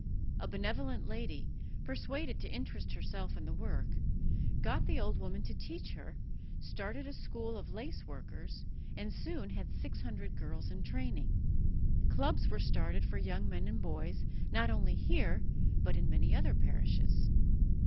A benevolent lady, persuaded to interest herself in the work, got the old woman to teach her, started a school of lace workers, and soon had six hundred girls in training. Clubs were started for young men and boys, not only here, but in many other parishes.